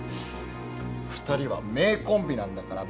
２人は名コンビなんだから仲良く。